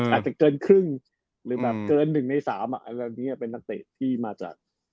อาจจะเกินครึ่งหรือแบบเกิน๑ใน๓อันนี้เป็นนักเตะที่มาจาก